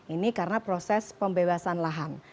ini karena proses pembebasan lahan